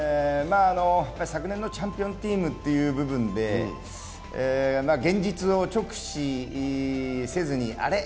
昨年のチャンピオンチームという部分で、現実を直視せずに、あれ？